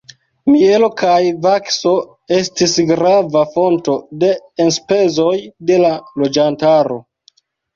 Mielo kaj vakso estis grava fonto de enspezoj de la loĝantaro.